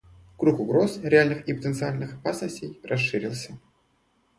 Круг угроз, реальных и потенциальных опасностей расширился.